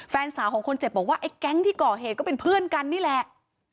แฟนสาวของคนเจ็บบอกว่าไอ้แก๊งที่ก่อเหตุก็เป็นเพื่อนกันนี่แหละ